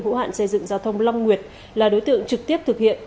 hữu hạn xây dựng giao thông long nguyệt là đối tượng trực tiếp thực hiện